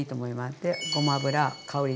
でごま油香り